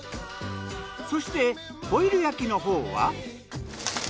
そしてホイル焼きのほうは。